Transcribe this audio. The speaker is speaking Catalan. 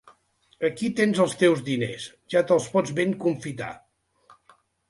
Aquí tens els teus diners: ja te'ls pots ben confitar.